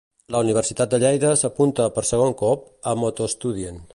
La Universitat de Lleida s'apunta, per segon cop, a MotoStudent.